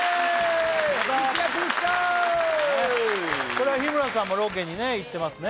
これは日村さんもロケに行ってますね